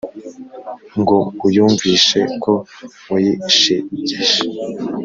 Ngo uyumvishe ko wayishegeshe